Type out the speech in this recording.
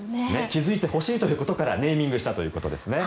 気付いてほしいということからネーミングしたということですね。